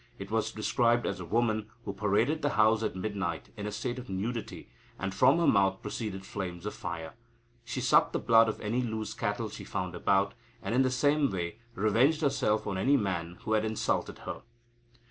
It was described as a woman, who paraded the town at midnight in a state of nudity, and from her mouth proceeded flames of fire. She sucked the blood of any loose cattle she found about, and, in the same way, revenged herself on any man who had insulted her.